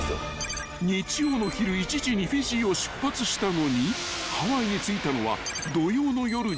［日曜の昼１時にフィジーを出発したのにハワイに着いたのは土曜の夜１１時？］